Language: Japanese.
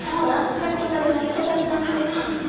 さっきまではいい子だったんだけど。